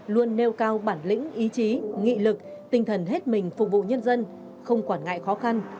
luôn nêu cao bản lĩnh ý chí nghị lực tinh thần hết mình phục vụ nhân dân không quản ngại khó khăn